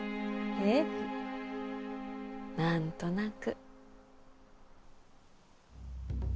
ええ何となく。